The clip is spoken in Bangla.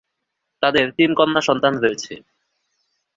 তাদের তিন কন্যা সন্তান রয়েছে।